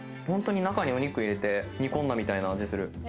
本当に中にお肉を入れて煮込んでみたいな味がする。